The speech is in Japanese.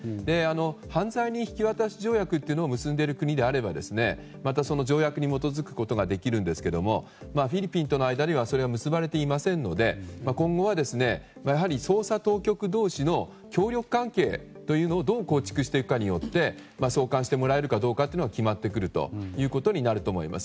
犯罪人引き渡し条約というのを結んでいる国であれば条約に基づくことがあるんですがフィリピンとの間にはそれは結ばれていませんので今後は捜査当局同士の協力関係をどう構築していくかによって送還してもらえるかどうかが決まってくるということになると思います。